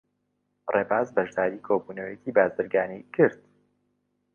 ڕێباز بەشداریی کۆبوونەوەیەکی بازرگانیی کرد.